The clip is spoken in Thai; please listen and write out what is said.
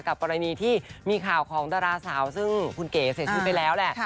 กรณีที่มีข่าวของดาราสาวซึ่งคุณเก๋เสียชีวิตไปแล้วแหละ